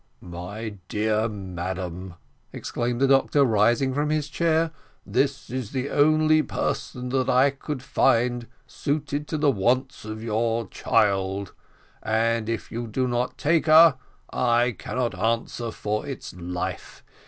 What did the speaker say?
"My dear madam," exclaimed the doctor, rising from his chair, "this is the only person that I could find suited to the wants of your child, and if you do not take her, I cannot answer for its life.